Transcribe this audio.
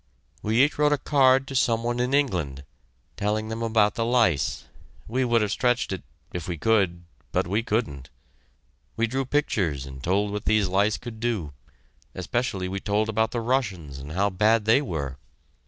"We each wrote a card to some one in England, telling them about the lice. We would have stretched it if we could but we couldn't. We drew pictures, and told what these lice could do; especially we told about the Russians, and how bad they were.